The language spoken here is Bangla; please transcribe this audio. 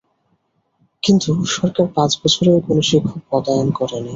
কিন্তু সরকার পাঁচ বছরেও কোনো শিক্ষক পদায়ন করেনি।